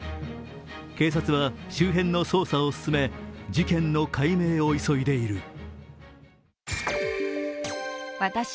警察は、周辺の捜査を進め事件の解明を急いでいる。